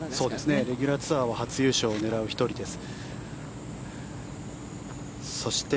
レギュラーツアーは初優勝を狙う１人です。